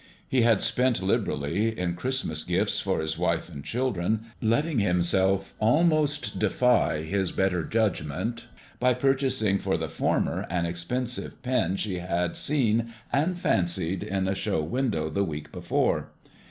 He had spent liberally in Christmas gifts for his wife and children, letting himself almost defy his better judgment by purchasing for the former an expensive pin she had seen and fancied in a show window the week before.